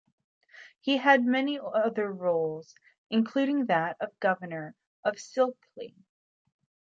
He had many other roles, including that of Governor of Scilly.